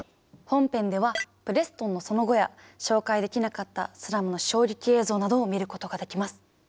本編ではプレストンのその後や紹介できなかったスラムの衝撃映像などを見ることができます。